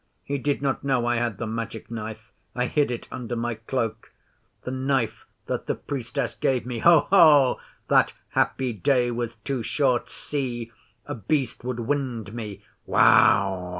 He did not know I had the Magic Knife I hid it under my cloak the Knife that the Priestess gave me. Ho! Ho! That happy day was too short! See! A Beast would wind me. "Wow!"